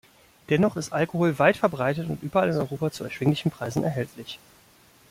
Dennoch ist Alkohol weit verbreitet und überall in Europa zu erschwinglichen Preisen erhältlich.